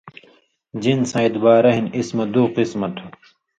جِنِساں اِدبارہ ہِن اسم دُو قسمہ تُھو